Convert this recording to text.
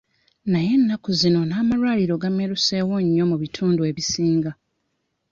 Naye ennaku zino n'amalwaliro gameruseewo nnyo mu bitundu ebisinga.